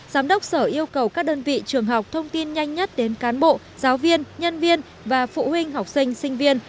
giám đốc sở yêu cầu các đơn vị trường học thông tin nhanh nhất đến cán bộ giáo viên nhân viên và phụ huynh học sinh sinh viên